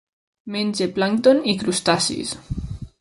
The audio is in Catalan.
Menja plàncton i crustacis.